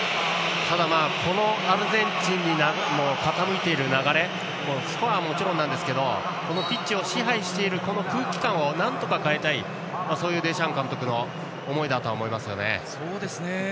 このアルゼンチンに傾いている流れスコアはもちろんですけどピッチを支配している空気感をなんとか、変えたいそういうデシャン監督の思いだったと思いますね。